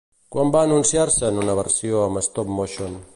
Quan va anunciar-se'n una versió amb stop-motion?